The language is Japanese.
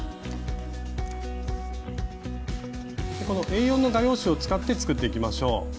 このＡ４の画用紙を使って作っていきましょう。